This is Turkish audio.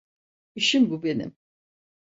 İşim bu benim.